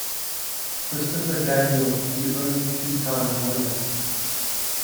Christopher Daniels is the only two times winner.